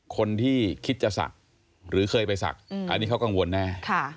คนที่คิดจะศักดิ์หรือเคยไปศักดิ์อันนี้เขากังวลแน่